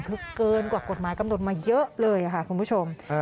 คือเกินกว่ากฎหมายกำหนดมาเยอะเลยค่ะคุณผู้ชม